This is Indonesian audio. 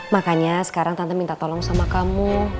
makanya sekarang tante minta tolong sama kamu